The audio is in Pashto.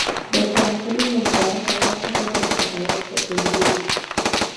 د قرانکریم له مبارک ایت څخه ډېر حقایق څرګندیږي.